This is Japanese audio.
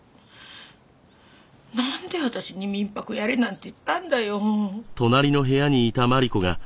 なんで私に民泊やれなんて言ったんだよ。